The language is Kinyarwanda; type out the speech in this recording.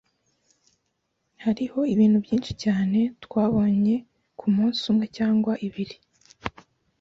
Hariho ibintu byinshi cyane twabonye ku munsi umwe cyangwa ibiri